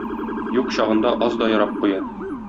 Юк чагында аз да ярап куя.